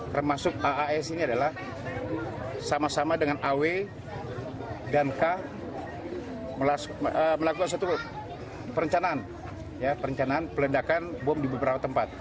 termasuk as ini adalah sama sama dengan aw dan k melakukan satu perencanaan perencanaan peledakan bom di beberapa tempat